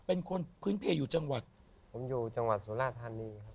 เป็นคนพื้นเพลอยู่จังหวัดผมอยู่จังหวัดสุราธานีครับ